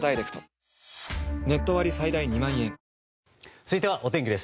続いてはお天気です。